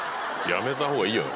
やめた方がいいよ。